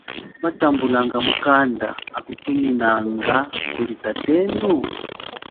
Watambulanga mukanda akuthuminanga kuli tatenu?